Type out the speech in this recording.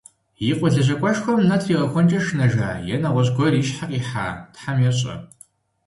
И къуэ лэжьакӀуэшхуэм нэ тригъэхуэнкӀэ шынэжа, е нэгъуэщӀ гуэр и щхьэ къихьа, Тхьэм ещӏэ.